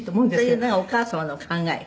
「というのがお母様の考え？」